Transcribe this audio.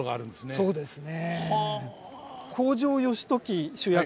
そうですね。